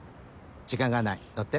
時間がない乗って。